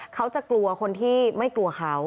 เขาจะกลัวคนที่ไม่กลัวเขา